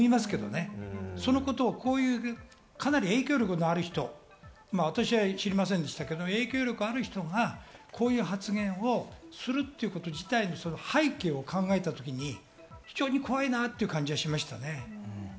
そのことをかなり影響力のある人、私は知りませんでしたけど、影響力がある人がこういう発言をすること自体、背景を考えたとき非常に怖いなという感じがしまし